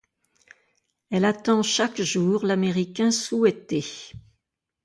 Elle attend chaque jour l’Américain souhaité.